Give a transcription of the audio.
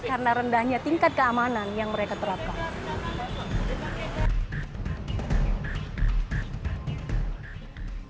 karena rendahnya tingkat keamanan yang mereka terapkan